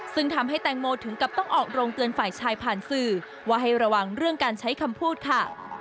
ซึ่งทำให้แตงโมถึงกับต้องออกโรงเตือนฝ่ายชายผ่านสื่อว่าให้ระวังเรื่องการใช้คำพูดค่ะ